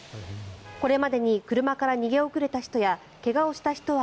これまでに車から逃げ遅れた人や怪我をした人は